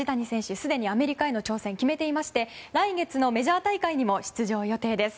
すでにアメリカへの挑戦を決めていまして来月のメジャー大会にも出場予定です。